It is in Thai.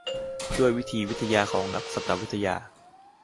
ด้วยวิธีวิทยาของนักสัตววิทยา